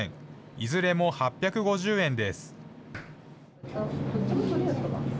いずれも８５０円です。